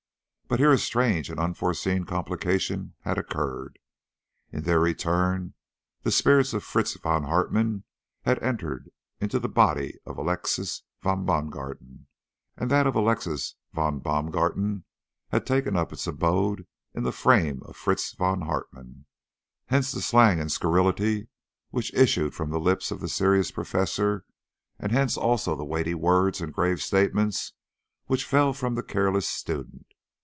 But here a strange and unforeseen complication had occurred. In their return the spirit of Fritz von Hartmann had entered into the body of Alexis von Baumgarten, and that of Alexis von Baumgarten had taken up its abode in the frame of Fritz von Hartmann. Hence the slang and scurrility which issued from the lips of the serious Professor, and hence also the weighty words and grave statements which fell from the careless student.